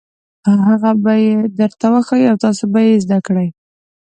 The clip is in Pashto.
هغه به یې درته وښيي او تاسو به یې زده کړئ.